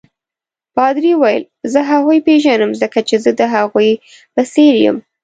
پادري وویل: زه هغوی پیژنم ځکه چې زه هم د هغوی په څېر یم.